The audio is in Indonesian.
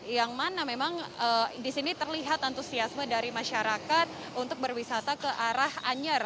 yang mana memang di sini terlihat antusiasme dari masyarakat untuk berwisata ke arah anyer